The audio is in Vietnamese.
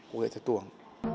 của nghệ thuật tuồng